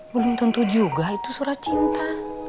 belum tentu juga itu surat cinta